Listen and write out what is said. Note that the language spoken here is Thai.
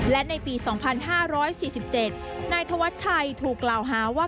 และในปี๒๕๔๗นายธวัชชัยถูกกล่าวหาว่า